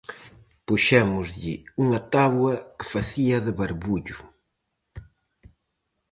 Puxémoslle unha táboa que facía de barbullo.